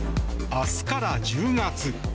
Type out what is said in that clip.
明日から１０月。